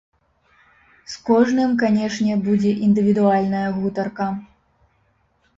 З кожным, канешне, будзе індывідуальная гутарка.